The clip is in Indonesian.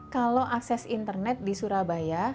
kalau akses internet di surabaya